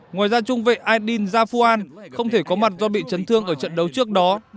ngoài ra trung vệ aydin zafuan không thể có mặt do bị chấn thương ở trận đấu trước đó